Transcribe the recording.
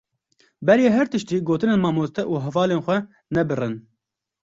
Berî her tiştî, gotinên mamoste û hevalên xwe nebirin.